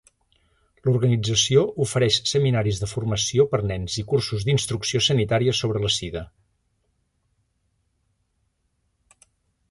L'organització ofereix seminaris de formació per nens i cursos d'instrucció sanitària sobre la Sida.